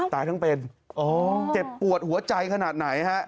ตายทั้งเป็นเจ็บปวดหัวใจขนาดไหนฮะ